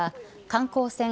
観光船